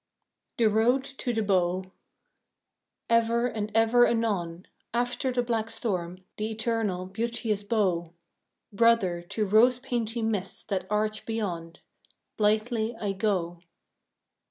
THE ROAD TO THE BOW Ever and ever anon, After the black storm, the eternal, beauteous bow! Brother, to rosy painted mists that arch beyond, Blithely I go.